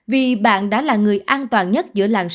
vì bạn đã là người an toàn nhất